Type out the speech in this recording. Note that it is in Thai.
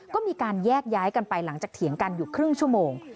ก็มีการแยกย้ายกันไปหลังจากเถียงกันอยู่ครึ่งชั่วโมง